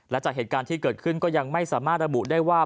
และจากเหตุการณ์ที่เกิดขึ้นก็ยังไม่สามารถระบุได้ว่า